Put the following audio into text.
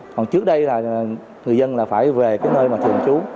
còn trước đây là người dân là phải về cái nơi mà thường trú